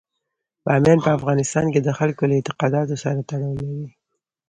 بامیان په افغانستان کې د خلکو له اعتقاداتو سره تړاو لري.